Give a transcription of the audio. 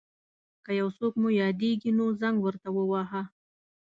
که یو څوک مو یاديږي نو زنګ ورته وواهه.